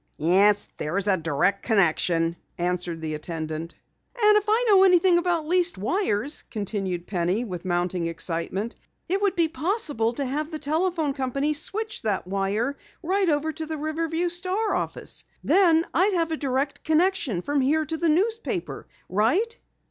"Yes, there is a direct connection," answered the attendant. "And if I know anything about leased wires," continued Penny with mounting excitement, "it would be possible to have the telephone company switch that wire right over to the Riverview Star office. Then I'd have a direct connection from here to the newspaper. Right?"